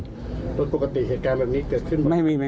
โดยปกติเหตุการณ์แบบนี้เกิดขึ้น